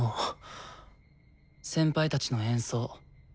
先輩たちの演奏。